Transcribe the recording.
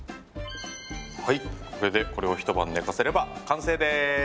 はいこれでこれを一晩寝かせれば完成です。